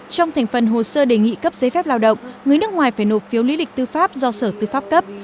trong thành phần hồ sơ đề nghị cấp giấy phép lao động người nước ngoài phải nộp phiếu lý lịch tư pháp do sở tư pháp cấp